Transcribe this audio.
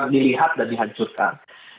dilihat dan dihancurkan